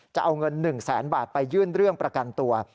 จะเอาเงิน๑แสนบาทไปยื่นเรื่องประกันตัว